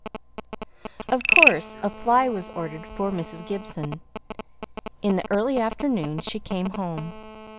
Of course a fly was ordered for Mrs. Gibson. In the early afternoon she came home.